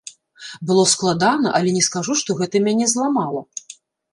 Было складана, але не скажу, што гэта мяне зламала.